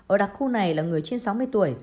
ở đặc khu này là người trên sáu mươi tuổi